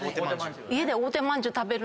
家で大手まんぢゅう食べるんです。